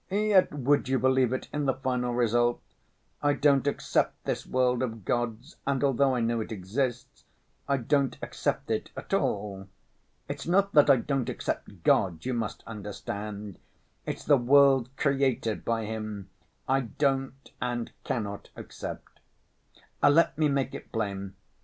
Yet would you believe it, in the final result I don't accept this world of God's, and, although I know it exists, I don't accept it at all. It's not that I don't accept God, you must understand, it's the world created by Him I don't and cannot accept. Let me make it plain.